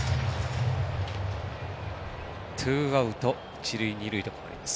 ツーアウト、一塁二塁と変わります。